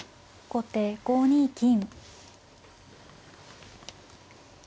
後手５二金。